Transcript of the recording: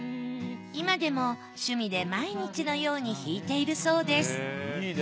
今でも趣味で毎日のように弾いているそうです。